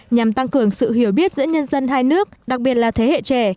nhằm tăng cường sự hiểu biết giữa nhân dân hai nước đặc biệt là thế hệ trẻ